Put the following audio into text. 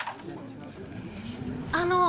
あの！